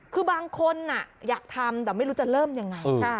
คือบางคนอยากทำแต่ไม่รู้จะเริ่มยังไง